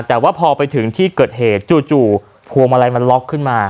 แต่ว่าพอไปถึงที่เกิดเหตุจู่พวงมาลัยมันล็อกขึ้นมา